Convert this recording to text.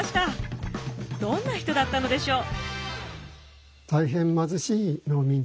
どんな人だったのでしょう？